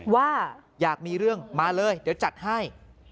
ว่าอยากมีเรื่องมาเลยเดี๋ยวจัดให้